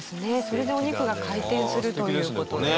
それでお肉が回転するという事です。